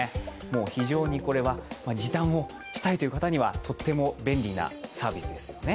非常にこれは時短をしたいという方にはとっても便利なサービスですよね。